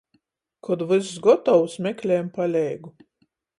Kod vyss gotovs, meklejam paleigu.